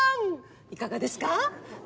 いかがですか？